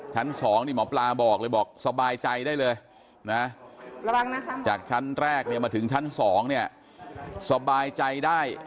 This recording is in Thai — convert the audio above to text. ชั้น๒นี่หมอปลาบอกเลยบอกสบายใจได้เลยนะจากชั้นแรกเนี่ยมาถึงชั้น๒เนี่ยสบายใจได้